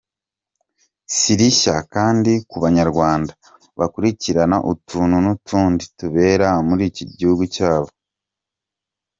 Si rishya kandi ku banyarwanda bakurikirana utuntu n’utundi tubera mu gihugu cyabo.